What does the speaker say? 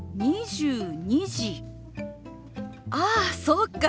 ああそうか。